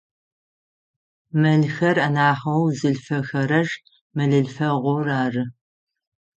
Мэлхэр анахьэу зылъфэхэрэр мэлъылъфэгъур ары.